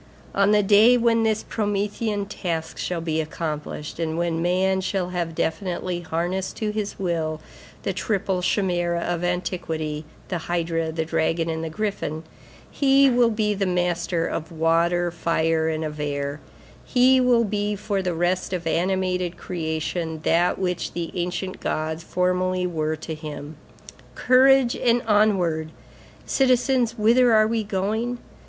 On the day when this Promethean task shall be accomplished, and when man shall have definitely harnessed to his will the triple Chimæra of antiquity, the hydra, the dragon and the griffin, he will be the master of water, fire, and of air, and he will be for the rest of animated creation that which the ancient gods formerly were to him. Courage, and onward! Citizens, whither are we going?